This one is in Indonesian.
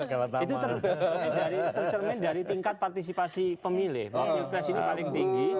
itu tercermin dari tingkat partisipasi pemilih bahwa pilpres ini paling tinggi